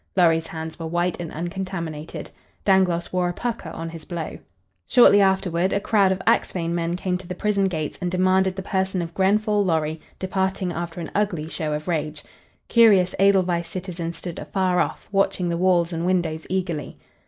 Lorry's hands were white and uncontaminated. Dangloss wore a pucker on his blow. Shortly afterward a crowd of Axphain men came to the prison gates and demanded the person of Grenfall Lorry, departing after an ugly show of rage. Curious Edelweiss citizens stood afar off, watching the walls and windows eagerly.